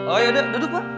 oh ya udah duduk pak